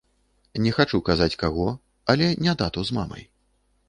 Не хачу казаць каго, але не тату з мамай.